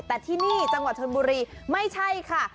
แต่ที่นี่จังหวัดชนบุรีไม่ใช่ค่ะ